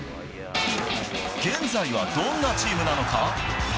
現在はどんなチームなのか。